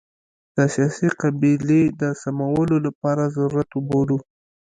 د سیاسي قبلې د سمولو لپاره ضرورت وبولو.